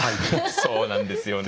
そうなんですよね。